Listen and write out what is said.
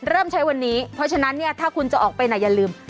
เริ่มใช้วันนี้เพราะฉะนั้นเนี่ยถ้าคุณจะออกไปไหนอย่าลืม